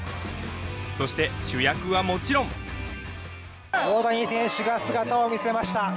そして、主役はもちろん大谷選手が姿を見せました。